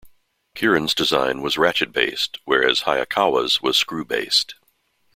Keeran's design was ratchet-based, whereas Hayakawa's was screw-based.